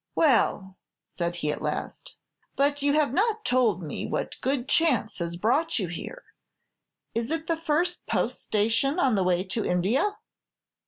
"Well," said he, at last, "but you have not told me what good chance has brought you here. Is it the first post station on the way to India?"